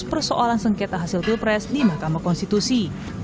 persoalan sengketa hasil pilpres di mahkamah konstitusi